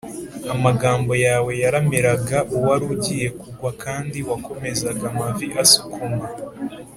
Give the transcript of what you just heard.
amagambo yawe yaramiraga uwari ugiye kugwa, kandi wakomezaga amavi asukuma